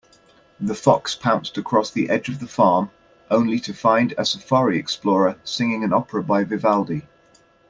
The fox pounced across the edge of the farm, only to find a safari explorer singing an opera by Vivaldi.